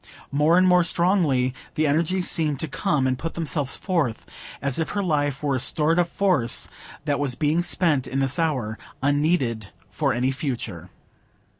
More and more strongly the energies seemed to come and put themselves forth, as if her life were a stored up force that was being spent in this hour, unneeded for any future.